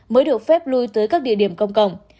mới được phép lui tới các địa điểm công cộng